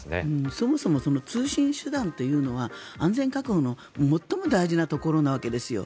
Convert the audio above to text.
そもそも通信手段というのは安全確保の最も大事なところなわけですよ。